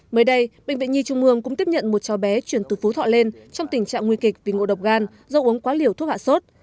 mới đây bệnh viện nhi trung mương cũng tiếp nhận một cháu bé chuyển từ phú thọ lên trong tình trạng nguy kịch vì ngộ độc gan do uống quá liều thuốc hạ sốt